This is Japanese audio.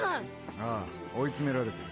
ああ追い詰められてる。